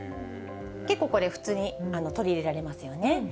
結構これ、普通に取り入れられますよね。